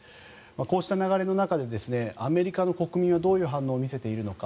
こうした流れの中でアメリカの国民はどういう反応を見せているのか。